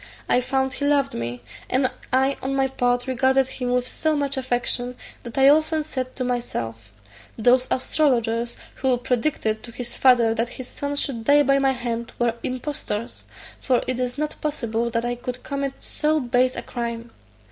I found he loved me; and I on my part regarded him with so much affection, that I often said to myself, "Those astrologers who predicted to his father that his son should die by my hand were impostors; for it is not possible that I could commit so base a crime."